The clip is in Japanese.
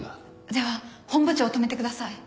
では本部長を止めてください。